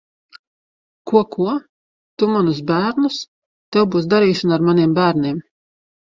Ko, ko? Tu manus bērnus? Tev būs darīšana ar maniem bērniem!